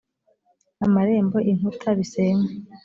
amarembo inkuta bisenywe